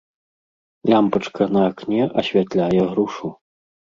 Лямпачка на акне асвятляе грушу.